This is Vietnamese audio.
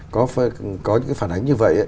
có những cái phản ánh như vậy